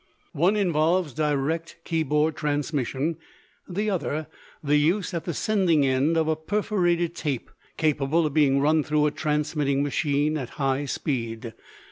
One involves direct keyboard transmission; the other, the use at the sending end of a perforated tape capable of being run through a transmitting machine at high speed.